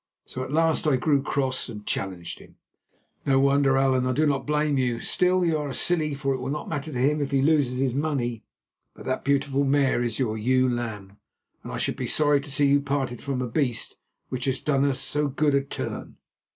So at last I grew cross and challenged him." "No wonder, Allan; I do not blame you. Still, you are silly, for it will not matter to him if he loses his money; but that beautiful mare is your ewe lamb, and I should be sorry to see you parted from a beast which has done us so good a turn.